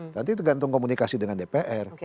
nanti tergantung komunikasi dengan dpr